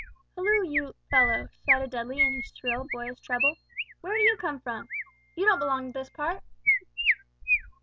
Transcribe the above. "Hulloo, you fellow," shouted Dudley in his shrill boyish treble; "where do you come from? You don't belong to this part."